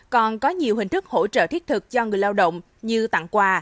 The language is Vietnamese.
còn có nhiều hình thức hỗ trợ thiết thực cho người lao động như tặng quà